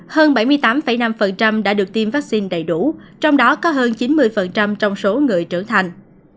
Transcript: hơn bảy mươi tám năm đã được tiêm vaccine đầy đủ trong đó có hơn chín mươi trong số người trưởng thành